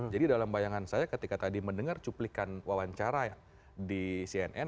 jadi dalam bayangan saya ketika tadi mendengar cuplikan wawancara ya di cnn